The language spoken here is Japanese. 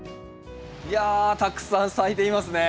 いやたくさん咲いていますね。